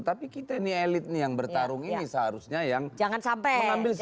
tapi kita ini elit nih yang bertarung ini seharusnya yang mengambil sikap